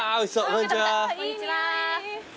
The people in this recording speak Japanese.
こんにちは。